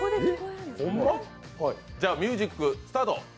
じゃ、ミュージック、スタート。